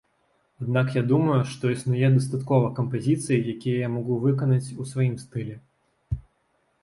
Аднак я думаю, што існуе дастаткова кампазіцый, якія я магу выканаць у сваім стылі.